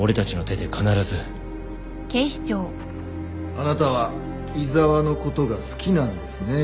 あなたは井沢のことが好きなんですねえ。